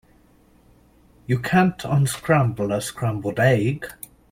You can't unscramble a scrambled egg.